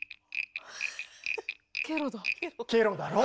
ケロだろ？